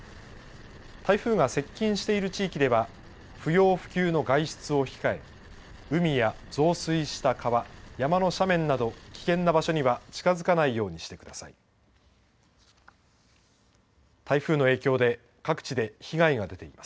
台風が接近している地域では不要不急の外出を控え海や増水した川、山の斜面など危険な場所には近づかないようにしてください。